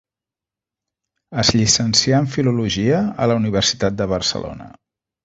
Es llicencià en filologia a la Universitat de Barcelona.